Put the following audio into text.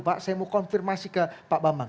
pak saya mau konfirmasi ke pak bambang